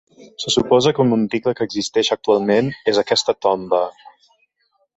Se suposa que un monticle que existeix actualment és aquesta tomba.